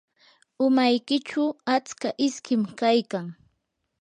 umaykichu atska iskim kaykan.